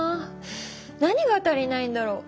何が足りないんだろう？